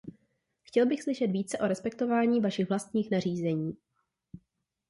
Chtěl bych slyšet více o respektování vašich vlastních nařízení.